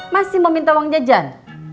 masih mau minta uang jajan